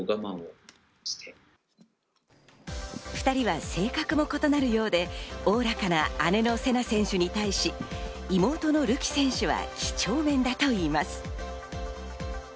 ２人は性格も異なるようで、おおらかな姉のせな選手に対し、妹のるき選手は几帳面だといいます。